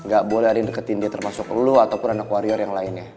gak boleh ada yang deketin dia termasuk lu ataupun anak warior yang lainnya